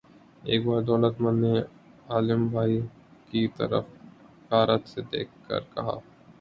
ایک بار دولت مند نے عالم بھائی کی طرف حقارت سے دیکھ کر کہا